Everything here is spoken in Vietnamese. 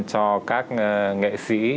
cho các nghệ sĩ